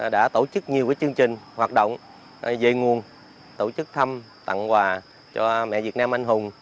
đã tổ chức nhiều chương trình hoạt động về nguồn tổ chức thăm tặng quà cho mẹ việt nam anh hùng